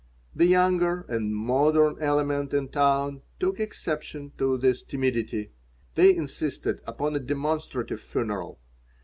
The younger and "modern" element in town took exception to this timidity. They insisted upon a demonstrative funeral.